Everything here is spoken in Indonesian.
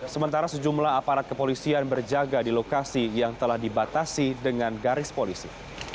sementara sejumlah aparat kepolisian berjaga di lokasi yang telah dibatasi dengan garis polisi